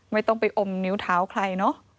ไม่ต้องไปอมนิ้วเท้าใครเนอะ